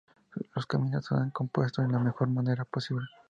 Los caminos se han compuesto de la mejor manera posible.